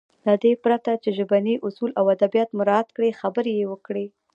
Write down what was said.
له دې پرته چې ژبني اصول او ادبيات مراعت کړي خبرې يې وکړې.